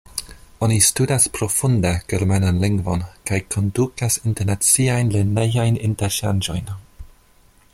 Oni studas profunde germanan lingvon kaj kondukas internaciajn lernejajn interŝanĝojn.